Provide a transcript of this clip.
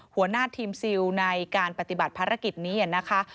หัวหน้าทีมซิลในการปฏิบัติภารกิจนี้นะคะ